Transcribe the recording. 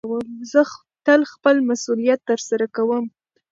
زه تل خپل مسئولیت ترسره کوم.